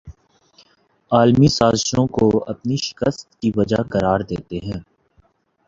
عالمی سازشوں کو اپنی شکست کی وجہ قرار دیتے ہیں